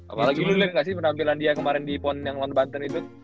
apalagi lu liat gak sih penampilan dia kemarin di pond yang london banten itu